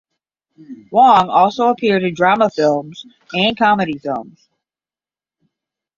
Yung also appeared in drama films and comedy films.